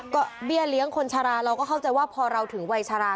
ก็เบี้ยเลี้ยงคนชาราเราก็เข้าใจว่าพอเราถึงวัยชารา